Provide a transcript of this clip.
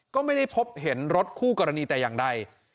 ก็ไม่ได้พบเห็นรถคู่กรณีแต่อย่างใด